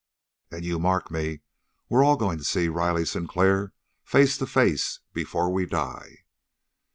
And, you mark me, we're all going to see Riley Sinclair, face to face, before we die!"